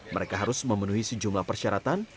mereka harus memenuhi sejumlah persyaratan